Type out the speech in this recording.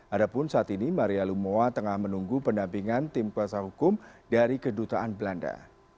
adapun saat ini maria lumowa tengah menunggu pendampingan tim kuasa hukum dari kedutaan belanda